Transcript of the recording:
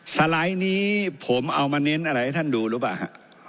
สไลด์นี้ผมเอามาเน้นอะไรให้ท่านดูหรือเปล่าฮะ